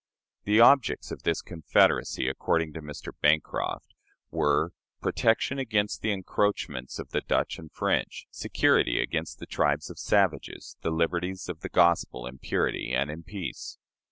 The objects of this confederacy, according to Mr. Bancroft, were "protection against the encroachments of the Dutch and French, security against the tribes of savages, the liberties of the gospel in purity and in peace."